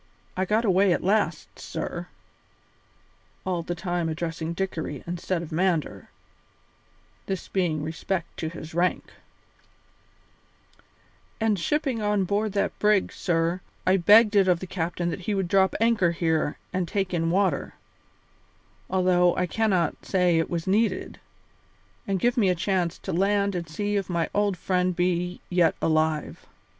I got away at last, sir" (all the time addressing Dickory instead of Mander, this being respect to his rank), "and shipping on board that brig, sir, I begged it of the captain that he would drop anchor here and take in water, although I cannot say it was needed, and give me a chance to land and see if my old friend be yet alive.